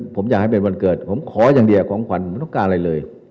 ผมอยากให้เป็นวันเกิดผมขออย่างเดียวของขวัญไม่ต้องการอะไรเลย